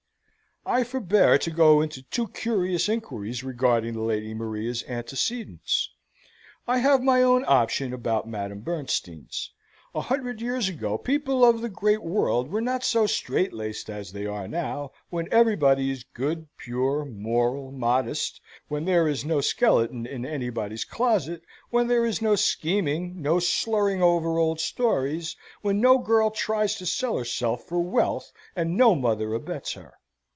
I forbear to go into too curious inquiries regarding the Lady Maria's antecedents. I have my own opinion about Madame Bernstein's. A hundred years ago people of the great world were not so straitlaced as they are now, when everybody is good, pure, moral, modest; when there is no skeleton in anybody's closet; when there is no scheming; no slurring over old stories; when no girl tries to sell herself for wealth, and no mother abets her.